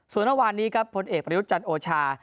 ส่วนตอนนี้ครับพลเอกประยุจจันทร์โอชา